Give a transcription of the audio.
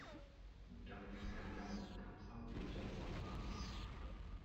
唔夠營養又唔吸收變左瘦猛猛